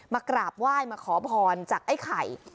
มากราบไหว้มาขอพรจากไอ้ไข่